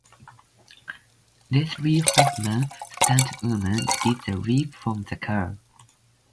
Leslie Hoffman, stuntwoman, did the leap from the car.